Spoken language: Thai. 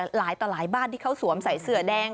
หลายต่อหลายบ้านที่เขาสวมใส่เสือแดง